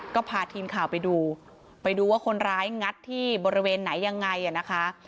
ก็พาทีมข่าวไปดูไปดูว่าคนร้ายงัดที่บริเวณไหนยังไงอ่ะนะคะ